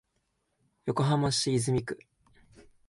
横浜市泉区